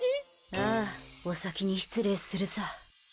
ああ、お先に失礼するさ。